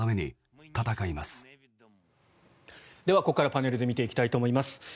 ここからパネルで見ていきたいと思います。